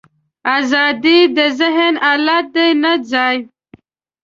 ازادي د ذهن حالت دی، نه ځای.